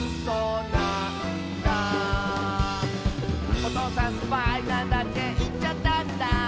「『おとうさんスパイなんだ』っていっちゃったんだ」